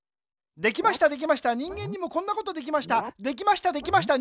できましたできました人間にもこんなことできました。